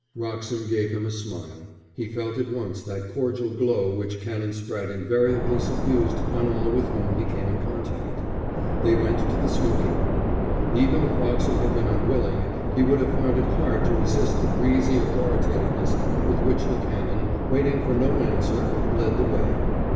Wroxham gave him a smile. He felt at once that cordial glow which Canon Spratte invariably suffused on all with whom he came in contact. They went to the smoking room. Even if Wroxham had been unwilling he would have found it hard to resist the breezy authoritativeness with which the Canon, waiting for no answer, led the way.